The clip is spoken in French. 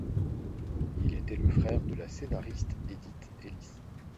Il était le frère de la scénariste Edith Ellis.